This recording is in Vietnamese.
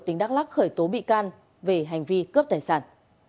tỉnh đắk lắc khởi tố bị can về hành vi cướp tài sản